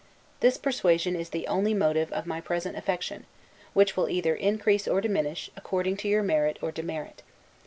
This persuasion is the only motive of my present affection; which will either increase or diminish, according to your merit or demerit.